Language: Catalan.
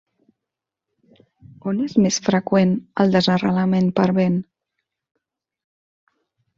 On és més freqüent el desarrelament per vent?